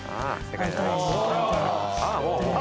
ああ。